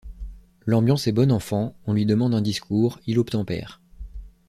L’ambiance est bon enfant, on lui demande un discours, il obtempère.